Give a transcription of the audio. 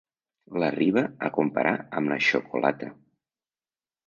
L'arriba a comparar amb la xocolata.